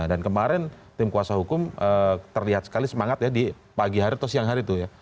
dan kemarin tim kuasa hukum terlihat sekali semangat ya di pagi hari atau siang hari itu ya